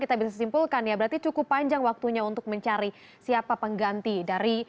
kita bisa simpulkan ya berarti cukup panjang waktunya untuk mencari siapa pengganti dari